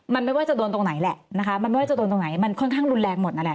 มันไม่ว่าจะโดนตรงไหนแหละนะคะมันไม่ว่าจะโดนตรงไหนมันค่อนข้างรุนแรงหมดนั่นแหละ